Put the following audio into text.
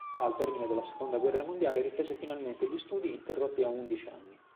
Al termine della seconda guerra mondiale, riprese finalmente gli studi interrotti a undici anni.